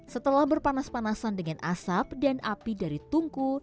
setelah berpanas panasan dengan asap dan api dari tungku